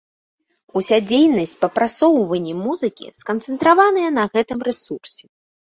Уся дзейнасць па прасоўванні музыкі сканцэнтраваная на гэтым рэсурсе.